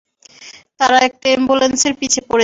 তারা একটা অ্যাম্বুলেন্সের পিছে পড়েছে।